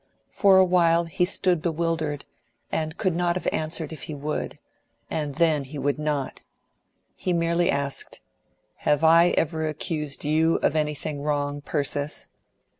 For a while he stood bewildered, and could not have answered if he would, and then he would not. He merely asked, "Have I ever accused you of anything wrong, Persis?"